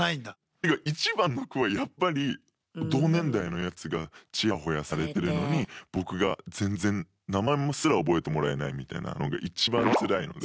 一番の苦はやっぱり同年代のやつがチヤホヤされてるのに僕が全然名前すら覚えてもらえないみたいなのが一番つらいので。